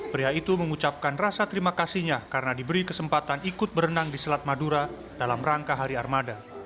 pria itu mengucapkan rasa terima kasihnya karena diberi kesempatan ikut berenang di selat madura dalam rangka hari armada